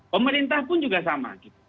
pemerintah pun juga sama